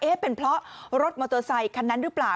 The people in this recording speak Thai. เป็นเพราะรถมอเตอร์ไซคันนั้นหรือเปล่า